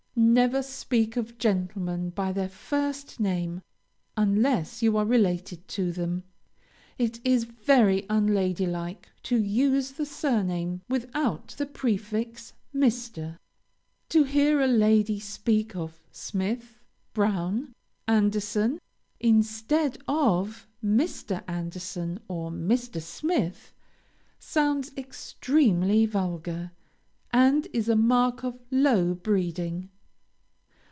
Never speak of gentlemen by their first name unless you are related to them. It is very unlady like to use the surname, without the prefix, Mr. To hear a lady speak of Smith, Brown, Anderson, instead of Mr. Anderson or Mr. Smith sounds extremely vulgar, and is a mark of low breeding.